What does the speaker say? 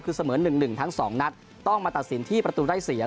คือเสมอหนึ่งหนึ่งทั้งสองนัดต้องมาตัดสินที่ประตูได้เสีย